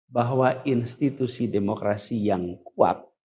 bahwa institusi demokrasi yang kuat